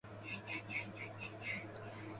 量子阱是指具有离散能量值的势阱。